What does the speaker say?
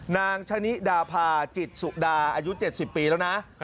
นางชะนิดาพาจิตสุดาอายุ๗๐ปีแล้วนะ